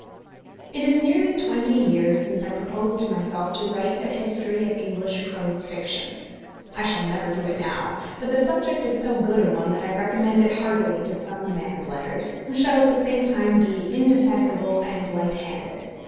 It is nearly twenty years since I proposed to myself to write a history of English prose fiction. I shall never do it now, but the subject is so good a one that I recommend it heartily to some man of letters, who shall at the same time be indefatigable and light handed.